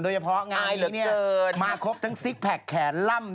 โดยเฉพาะงานนี้มาครบทั้งซิสแพกแขนร่ำ